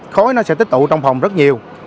khói nó sẽ tích tụ trong phòng rất nhiều